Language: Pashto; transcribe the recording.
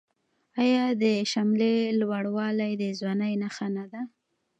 آیا د شملې لوړوالی د ځوانۍ نښه نه ده؟